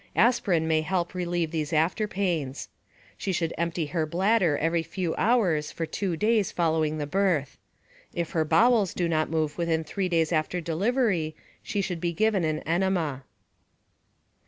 Aspirin may help relieve these afterpains. She should empty her bladder every few hours for 2 days following the birth. If her bowels do not move within 3 days after delivery she should be given an enema.